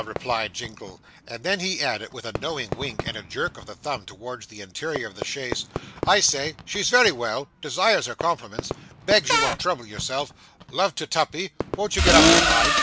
replied Jingle; and then he added, with a knowing wink, and a jerk of the thumb towards the interior of the chaise 'I say she's very well desires her compliments begs you won't trouble yourself love to Tuppy won't you get up behind?